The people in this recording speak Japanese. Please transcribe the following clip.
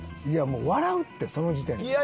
いやもう笑うってその時点で。